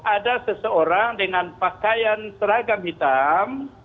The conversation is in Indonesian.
ada seseorang dengan pakaian seragam hitam